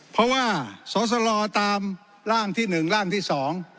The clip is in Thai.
เพราะว่าสอสลตามร่างที่หนึ่งร่างที่สอง